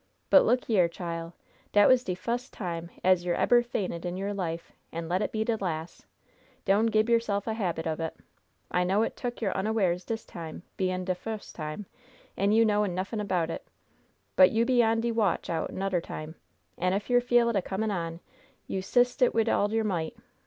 But look yere, chile. Dat was de fus time as yer ebber fainted in yer life, an' let it be de las'. Doan gib yerse'f a habit ob it. I know it tuk yer onawares dis time, bein' de fus time, an' you knowin' nuffin 'bout it. But you be on de watch out nudder time, an' if yer feel it a comin' on, you 'sist it wid all yer might.